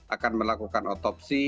akan melakukan otopsi